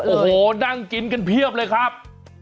โอ้โหนั่งกินกันเพียบเลยครับ